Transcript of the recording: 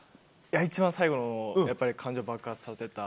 一番最後のやっぱり感情を爆発させた